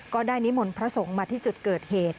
นิมนต์พระสงฆ์มาที่จุดเกิดเหตุ